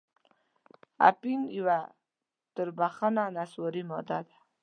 اپین یوه توربخنه نسواري ماده ده.